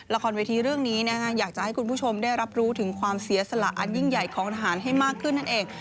ละครเวทีเรื่องนี้อยากจะให้คุณผู้ชมได้รับรู้ถึงความเสียสละอันยิ่งใหญ่ของทหารให้มากขึ้นนั่นเอง